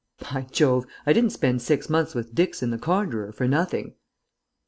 By Jove, I didn't spend six months with Dickson, the conjurer,[C] for nothing!"